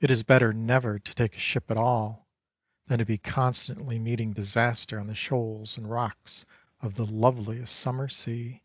It is better never to take ship at all than to be constantly meeting disaster on the shoals and rocks of the loveliest summer sea.